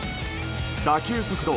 打球速度